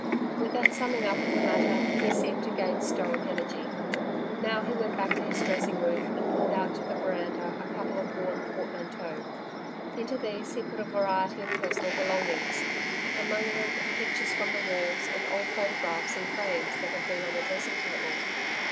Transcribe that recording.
With that summing up of the matter, he seemed to gain stoic energy. Now he went back to his dressing room, and pulled out to the veranda a couple of worn portmanteaux. Into these he put a variety of personal belongings. Among them, pictures from the walls, and old photographs in frames that had been on the dressing table.